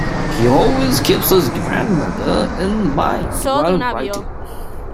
He always keeps his grandmother in mind while writing.